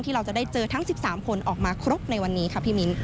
เราจะได้เจอทั้ง๑๓คนออกมาครบในวันนี้ค่ะพี่มิ้น